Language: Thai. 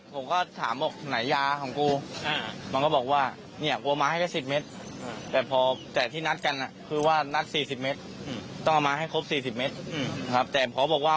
จะหนีไปได้ปุ๊บเพื่อนมาก็เอาปืนจอไว้โบค่า